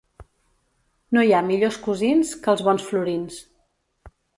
No hi ha millors cosins que els bons florins.